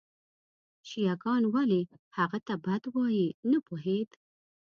شیعه ګان ولې هغه ته بد وایي نه پوهېد.